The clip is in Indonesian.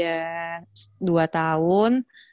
yang kedua tiga tahun